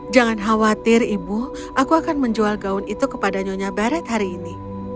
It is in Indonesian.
jangan khawatir ibu aku akan menjual gaun itu kepada nyonya barret hari ini